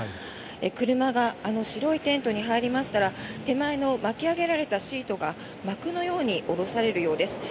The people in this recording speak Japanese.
車があの白いテントに入りましたら手前の巻き上げられたシートが幕のように降ろされるようです。